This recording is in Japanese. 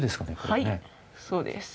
はいそうです。